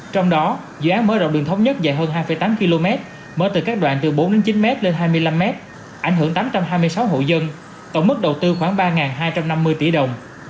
trong đó dự án mở rộng đường thống nhất dài hơn hai tám km mở từ các đoạn từ bốn chín m lên hai mươi năm m ảnh hưởng tám trăm hai mươi sáu hộ dân tổng mức đầu tư khoảng ba hai trăm năm mươi tỷ đồng